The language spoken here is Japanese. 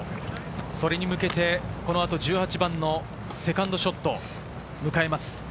それに向けて１８番のセカンドショットを迎えます。